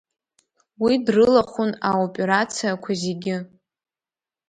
Уи дрылахәын аоперациақәа зегьы.